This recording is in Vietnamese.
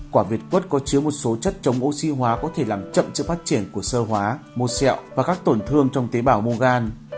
quả việt quất có chứa một số chất chống oxy hóa có thể làm chậm sự phát triển của sơ hóa mô xẹo và các tổn thương trong tế bào môgan